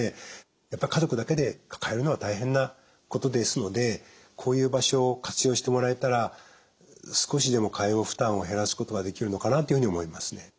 やっぱり家族だけで抱えるのは大変なことですのでこういう場所を活用してもらえたら少しでも介護負担を減らすことができるのかなというふうに思いますね。